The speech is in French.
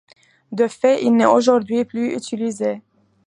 De fait, il n'est aujourd'hui plus utilisé.